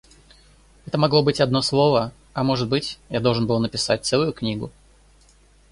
Это могло быть одно слово, а может быть, я должен был написать целую книгу.